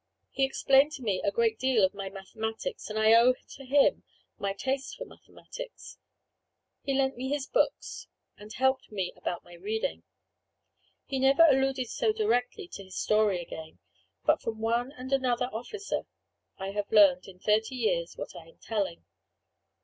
He explained to me a great deal of my mathematics, and I owe to him my taste for mathematics. He lent me books, and helped me about my reading. He never alluded so directly to his story again; but from one and another officer I have learned, in thirty years, what I am telling.